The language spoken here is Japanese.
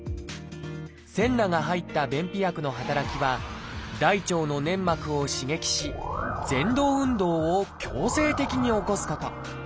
センナが入った便秘薬の働きは大腸の粘膜を刺激しぜん動運動を強制的に起こすこと。